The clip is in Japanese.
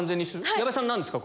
矢部さん何ですか？